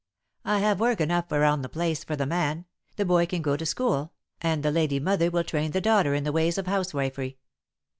I have work enough around the place for the man, the boy can go to school, and the Lady Mother will train the daughter in the ways of housewifery.